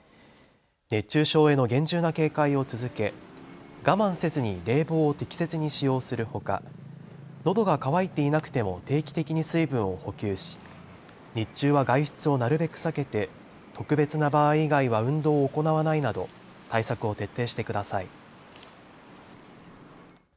熱中症への厳重な警戒を続け我慢せずに冷房を適切に使用するほかのどが渇いていなくても定期的に水分を補給し日中は外出をなるべく避けて特別な場合以外は運動を行わないなど対策を徹底してください。